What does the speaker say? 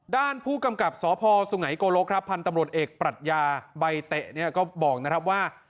ด้านผู้กำกับสพสุไหงโกโลกพันธ์ตำรวจเอกปรัชญาใบเตะก็บอกนะครับว่า